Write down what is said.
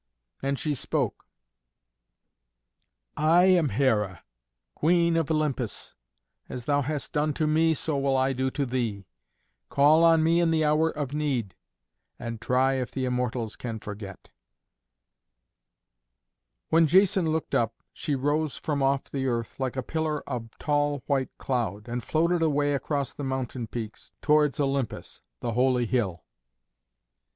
And she spoke: "I am Hera, the Queen of Olympus. As thou hast done to me, so will I do to thee. Call on me in the hour of need, and try if the Immortals can forget!" When Jason looked up, she rose from off the earth, like a pillar of tall white cloud, and floated away across the mountain peaks, towards Olympus, the holy hill.